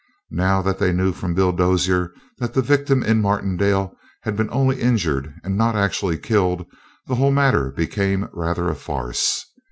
Now that they knew from Bill Dozier that the victim in Martindale had been only injured, and not actually killed, the whole matter became rather a farce.